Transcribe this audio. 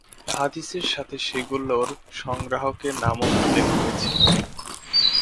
হাদিসের সাথে সেগুলোর সংগ্রাহকের নামও উল্লেখ রয়েছে।